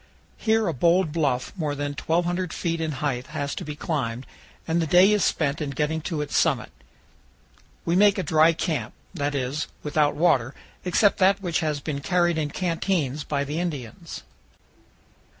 Here a bold bluff more than 1,200 feet in height has to be climbed, and the day is spent in getting to its summit. We make a dry camp, that is, without water, except that which has been carried in canteens by the Indians.